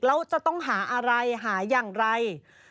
แล้วจะต้องหาอะไรหาอย่างไร